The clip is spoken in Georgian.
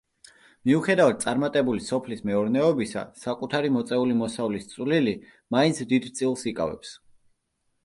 მიუხედავად წარმატებული სოფლის მეურნეობისა საკუთარი მოწეული მოსავლის წვლილი მაინც დიდ წილს იკავებს.